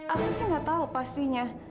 aku sih nggak tahu pastinya